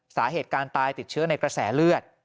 สาเหตุการตายติดเชื้อในกระแสเลือด